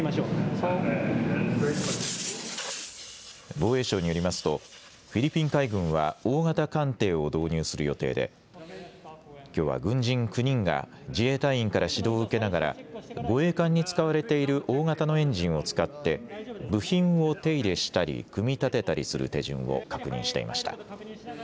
防衛省によりますとフィリピン海軍は大型艦艇を導入する予定できょうは軍人９人が自衛隊員から指導を受けながら護衛艦に使われている大型のエンジンを使って部品を手入れしたり組み立てたりする手順を確認していました。